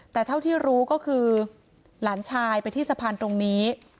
แต่เท่าที่รู้ก็คือหลานชายไปที่สะพานตรงนี้